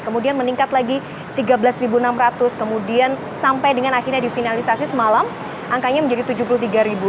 kemudian meningkat lagi tiga belas enam ratus kemudian sampai dengan akhirnya difinalisasi semalam angkanya menjadi tujuh puluh tiga